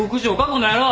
この野郎！